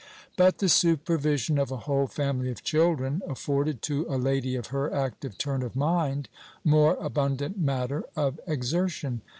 But the supervision of a whole family of children afforded to a lady of her active turn of mind more abundant matter of exertion.